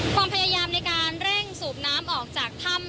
ความพยายามในการเร่งสูบน้ำออกจากถ้ำ